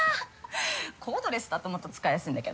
コードレスだともっと使いやすいんだけどね。